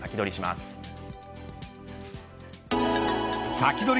サキドリ！